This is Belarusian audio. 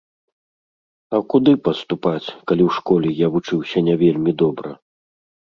А куды паступаць, калі ў школе я вучыўся не вельмі добра?